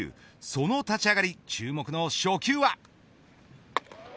その立ち上がり注目の初球は。